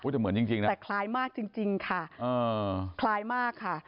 แต่คล้ายมากจริงค่ะคล้ายมากค่ะ